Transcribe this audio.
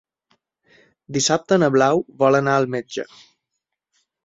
Dissabte na Blau vol anar al metge.